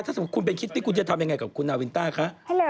ถ้าสมมุติคุณเป็นคิตตี้คุณจะทำยังไงกับคุณนาวินต้าคะ